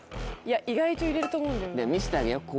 意外と入れると思うんだよな。